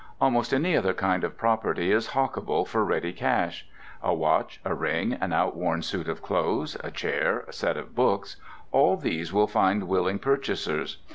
Almost any other kind of property is hockable for ready cash. A watch, a ring, an outworn suit of clothes, a chair, a set of books, all these will find willing purchasers.